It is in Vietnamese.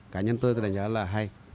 cá nhân tôi đánh giá là hay